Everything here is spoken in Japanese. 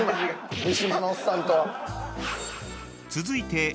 ［続いて］